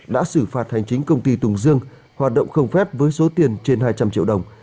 đã xử phạt hành chính công ty tùng dương hoạt động không phép với số tiền trên hai trăm linh triệu đồng